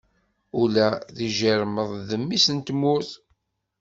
Ula d ijiṛmeḍ d mmis n tmurt.